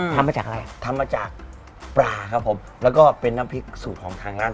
ทำมาจากอะไรทำมาจากปลาครับผมแล้วก็เป็นน้ำพริกสูตรของทางร้าน